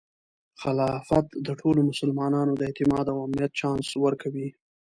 خلافت د ټولو مسلمانانو د اعتماد او امنیت چانس ورکوي.